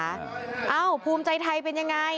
อ้าวภูมิใจไทยเป็นอย่างไร